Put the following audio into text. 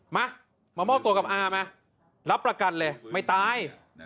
มามามอบตัวกับอามารับประกันเลยไม่ตาย